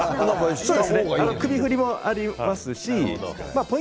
首振りもありますし